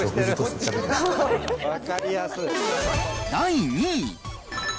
第２位。